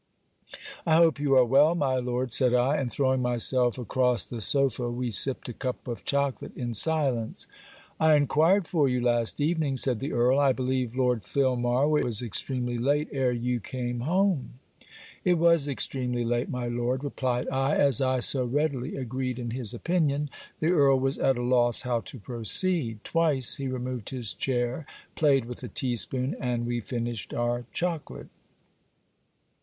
'I hope you are well, my Lord,' said I; and throwing myself across the sopha we sipped a cup of chocolate in silence. 'I enquired for you last evening,' said the Earl. 'I believe, Lord Filmar, it was extremely late ere you came home.' 'It was extremely late my Lord,' replied I. As I so readily agreed in his opinion, the Earl was at a loss how to proceed. Twice he removed his chair, played with a tea spoon, and we finished our chocolate.